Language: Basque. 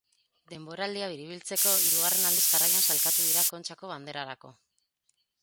Denboraldia biribiltzeko hirugarren aldiz jarraian sailkatu dira Kontxako Banderarako.